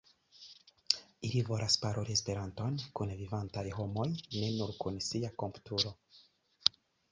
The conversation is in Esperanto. Ili volas paroli Esperanton kun vivantaj homoj, ne nur kun sia komputilo.